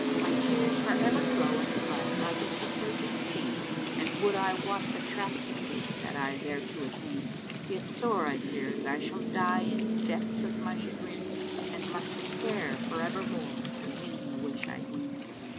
My tears for ever flow and flood, likest the surging sea * And would I wot the track to take that I thereto attain. Yet sore I fear that I shall die in depths of my chagrin * And must despair for evermore to win the wish I'd win."